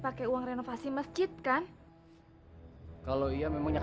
aku sudah biasa gak apa apa kok